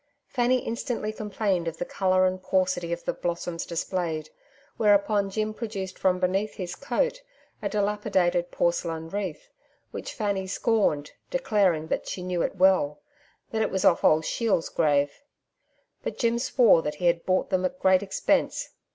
Fanny instantly complained of the colour and paucity of the blossoms displayed, whereupon Jim produced from beneath his coat a dilapidated porcelain wreath, which Fanny scorned, declaring that she knew it well—that it was off old Shiel's grave; but Jim swore that he had bought them at great expense.